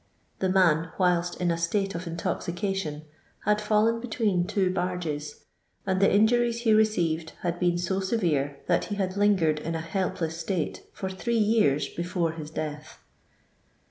The man (whilst in a state of intoxication) had fallen be tween two barges, and the injuries he reoeired had been so serere that he had lingered in a helpless state for three years before his death.